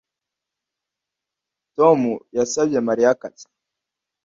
Tom yasabye Mariya akazi